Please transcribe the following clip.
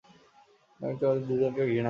আমি তোমাদের দুজনকেই ঘৃণা করি।